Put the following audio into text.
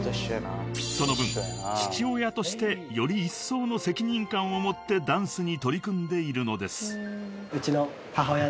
［その分父親としてよりいっそうの責任感を持ってダンスに取り組んでいるのです］